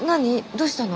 どうしたの？